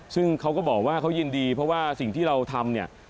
ซึ่งเขาก็บอกว่าเขายินดีเพราะว่าสิ่งที่เราทำเนี่ย